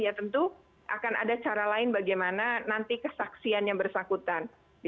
ya tentu akan ada cara lain bagaimana nanti kesaksian yang bersangkutan